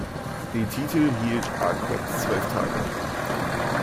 Den Titel hielt Arquette zwölf Tage.